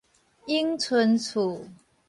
永春厝